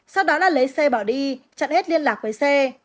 sau đó đã lấy xê bỏ đi chặn hết liên lạc với xê